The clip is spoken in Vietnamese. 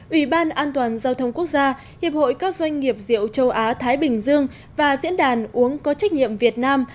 ủy ban an toàn giao thông quốc gia hiệp hội các doanh nghiệp rượu châu á thái bình dương và diễn đàn uống có trách nhiệm việt nam